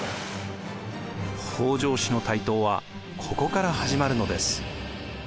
北条氏の台頭はここから始まるのです。